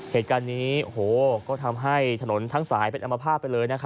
เหตุการณ์นี้ก็ทำให้ถนนทั้งสายเป็นอมภาพไปเลย